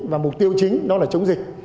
và mục tiêu chính đó là chống dịch